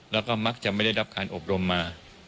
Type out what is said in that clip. แล้วก็มักจะไม่ได้รับการอบรมมา